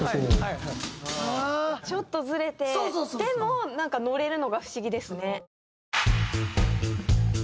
ちょっとずれてでもなんか乗れるのが不思議ですね。